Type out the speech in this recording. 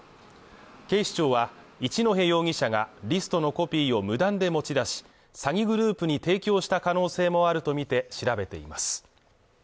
警視庁は一戸容疑者がリストのコピーを無断で持ち出し詐欺グループに提供した可能性もあるとみて調べています